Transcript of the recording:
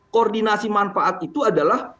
koordinasi manfaat itu adalah